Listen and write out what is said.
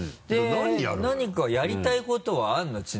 で何かやりたいことはあるの？